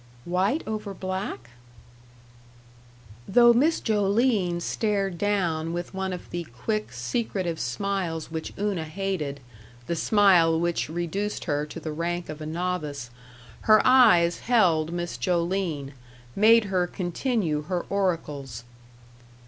"White over black?" Though Miss Joline stared down with one of the quick, secretive smiles which Una hated, the smile which reduced her to the rank of a novice, her eyes held Miss Joline, made her continue her oracles.